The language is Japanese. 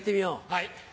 はい。